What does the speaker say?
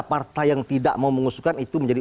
partai yang tidak mau mengusulkan itu menjadi